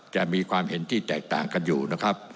จะมีความเห็นที่แตกต่างกันอยู่นะครับ